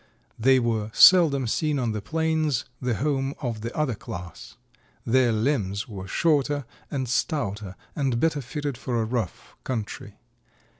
They were seldom seen on the plains, the home of the other class. Their limbs were shorter and stouter and better fitted for a rough country.